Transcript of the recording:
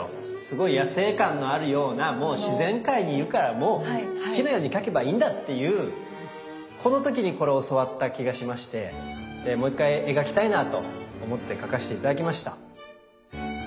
すごい野性感のあるようなもう自然界にいるからもう好きなように描けばいいんだっていうこの時にこれを教わった気がしましてもう一回描きたいなと思って描かせて頂きました。